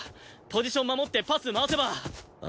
ポジション守ってパス回せば。